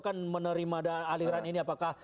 kan menerima aliran ini apakah